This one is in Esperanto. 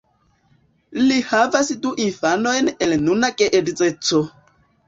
Li havas du infanojn el nuna geedzeco.